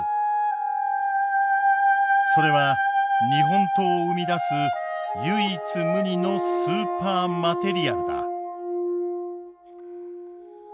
それは日本刀を生み出す唯一無二のスーパーマテリアルだ。